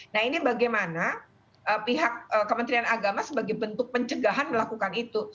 nah ini bagaimana pihak kementerian agama sebagai bentuk pencegahan melakukan itu